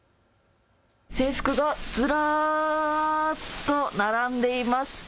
制服がずらーっと並んでいます。